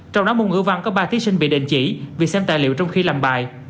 trong đó môn ngữ văn có ba thí sinh bị đình chỉ vì xem tài liệu trong khi làm bài